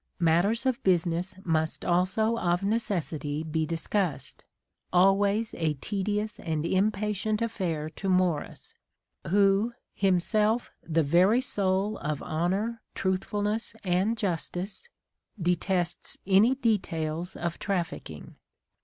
Matters of business must also of necessity be discussed, — always a tedious and impatient affair to Morris, who, himself the very soul of honour, truthfulness, and justice," detests any details of trafficking.